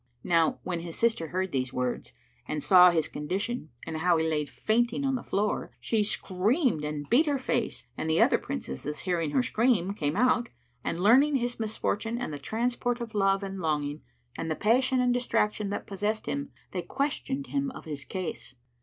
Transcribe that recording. Now when his sister heard these words and saw his condition and how he lay fainting on the floor, she screamed and beat her face and the other Princesses hearing her scream came out and learning his misfortune and the transport of love and longing and the passion and distraction that possessed him they questioned him of his case.